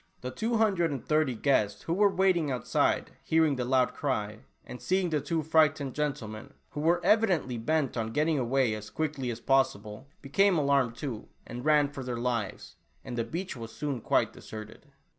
The two hundred and thirty guests who were waiting outside, hearing the loud cry, and seeing the two frightened gentlemen, who were evi dently bent on getting away as quickly as possible, became alarmed too, and ran for their lives, and the beach was soon quite deserted.